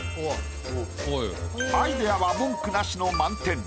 アイデアは文句なしの満点。